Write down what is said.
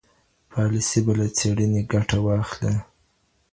پاليسي به له څېړنې ګټه واخلي.